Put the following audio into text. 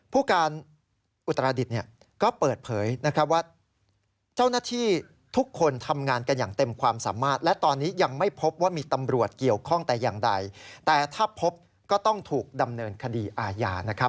ผู้การอุตรศิษฎภ์นี่ก็เปิดเผย